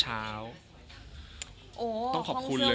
จะรักเธอเพียงคนเดียว